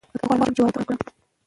زه غواړم چې واده وکړم.